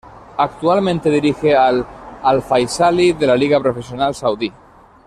Actualmente dirige al Al-Faisaly de la Liga Profesional Saudí.